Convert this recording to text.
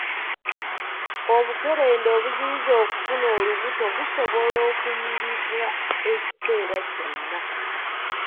Obukerenda obuziyiza okufuna olubuto busobola okumiribwa ekiseera kyonna.